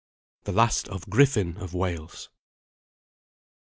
THE LAST OF GRIFFIN OF WALES.